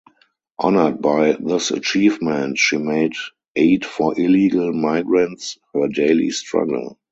Honored by this achievement she made aid for illegal migrants her daily struggle.